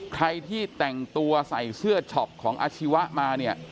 ใครที่แต่งตัวใส่เสื้อช็อปของอาชีวะมาเนี่ย